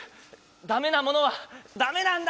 ダメなものはダメなんだ！